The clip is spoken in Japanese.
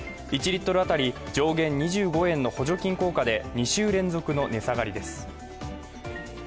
１リットル当たり上限２５円の補助金効果で２週連続の値下がりです。